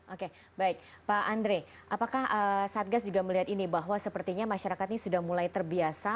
oke baik pak andre apakah satgas juga melihat ini bahwa sepertinya masyarakat ini sudah mulai terbiasa